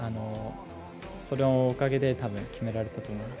そのおかげで多分決められたと思います。